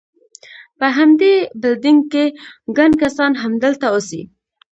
په همدې بلډینګ کې، ګڼ کسان همدلته اوسي.